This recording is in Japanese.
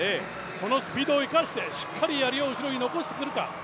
このスピードを生かして、しっかりとやりを後ろに残してくるか。